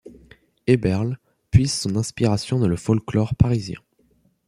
Eberl puise son inspiration dans le folklore parisien.